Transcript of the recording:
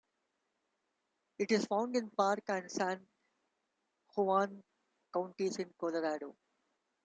It is found in Park and San Juan counties in Colorado.